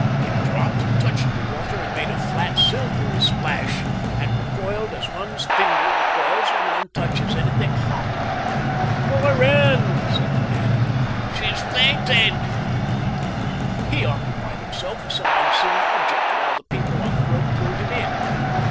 It dropped, touched the water, and made a flat, silvery splash, and recoiled as one's finger recoils when one touches anything hot. "Pull her in," said the man in the car. "SHE'S FAINTED!" He occupied himself with some unseen object while the people on the rope pulled him in.